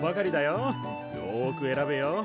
よく選べよ。